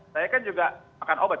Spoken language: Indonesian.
saya kan juga makan obat